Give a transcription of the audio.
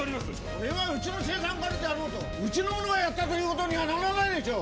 それはウチの青酸カリであろうとウチの者がやったということにはならないでしょう！？